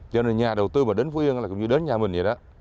cho nên nhà đầu tư mà đến phú yên là cũng như đến nhà mình vậy đó